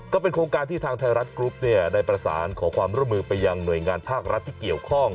ก็เป็นโครงการที่ทางไทยรัฐกรุ๊ปได้ประสานขอความร่วมมือไปยังหน่วยงานภาครัฐที่เกี่ยวข้อง